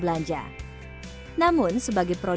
mereka bahkan bisa mengumpulkan modal untuk membuka gerai di pusingan